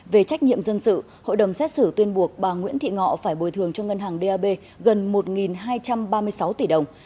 về trách nhiệm dân sự hội đồng xét xử tuyên buộc bà nguyễn thị ngọ phải bồi thường cho ngân hàng dap gần một hai trăm ba mươi sáu tỷ đồng